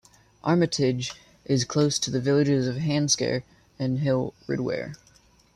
Armitage is close to the villages of Handsacre and Hill Ridware.